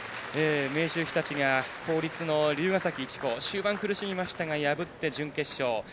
明秀日立が竜ヶ崎一高終盤、苦しみましたが破って準決勝。